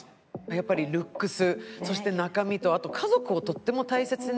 やっぱりルックスそして中身とあと家族をとっても大切に。